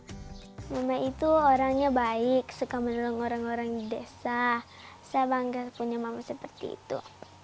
mama itu orangnya baik suka menolong orang orang di desa saya bangga punya mama seperti itu